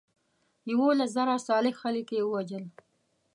یولس زره صالح خلک یې وژل.